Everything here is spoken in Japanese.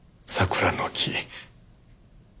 桜の木。